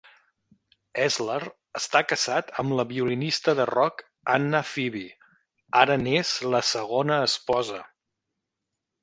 Esler està casat amb la violinista de rock Anna Phoebe. Ara n'és la segona esposa.